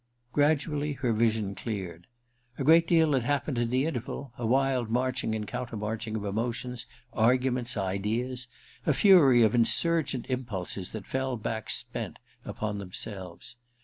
.. Gradually her vision cleared. A great deal had happened in the interval — a wild marching and countermarching of emotions, arguments, ideas — a fury of insurgent impulses that fell back spent upon themselves.